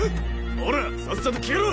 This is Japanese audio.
ほらさっさと消えろ！